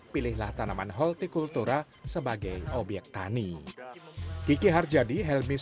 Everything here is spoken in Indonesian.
pilihlah tanaman holtikultura sebagai obyek tani